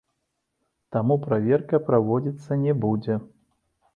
Таму праверка праводзіцца не будзе.